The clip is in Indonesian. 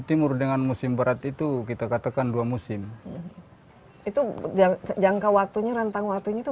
timur dengan musim berat itu kita katakan dua musim itu jangka waktunya rentang waktunya itu